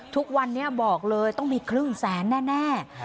ทุกวันนี้บอกเลยต้องมีครึ่งแสนแน่